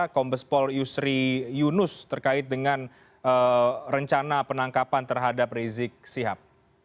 kombespol yusri yunus terkait dengan rencana penangkapan terhadap rizik sihab